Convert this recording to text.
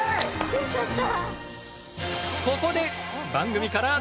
よかった。